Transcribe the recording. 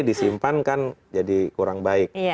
disimpan kan jadi kurang baik